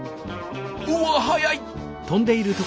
うわ速い！